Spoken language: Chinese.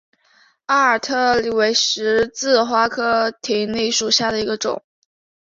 阿尔泰葶苈为十字花科葶苈属下的一个种。